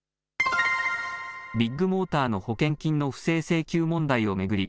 ビッグモーターの保険金の不正請求問題を巡り